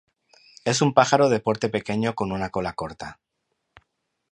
Es un pájaro de porte pequeño con una cola corta.